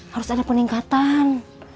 harus ada peningkatan